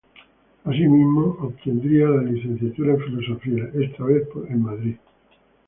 Así mismo, obtendría la Licenciatura en Filosofía, esta vez en Madrid.